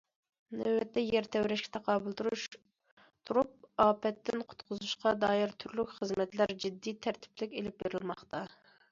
نۆۋەتتە يەر تەۋرەشكە تاقابىل تۇرۇپ ئاپەتتىن قۇتقۇزۇشقا دائىر تۈرلۈك خىزمەتلەر جىددىي، تەرتىپلىك ئېلىپ بېرىلماقتا.